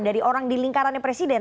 dari orang di lingkarannya presiden